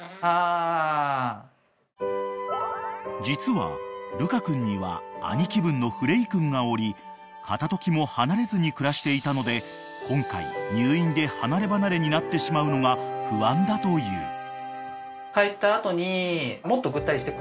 ［実はルカ君には兄貴分のフレイ君がおり片時も離れずに暮らしていたので今回入院で離れ離れになってしまうのが不安だという］